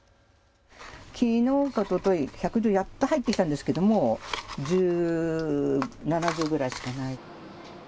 きのうかおとといやっと入ってきたんですけど１７錠くらいしかない。